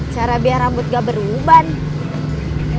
cara biar rambut gak beruban